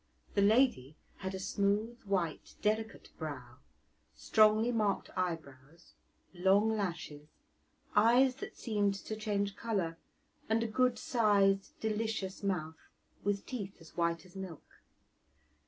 The lady had a smooth, white, delicate brow, strongly marked eyebrows, long lashes, eyes that seemed to change colour, and a good sized, delicious mouth, with teeth as white as milk.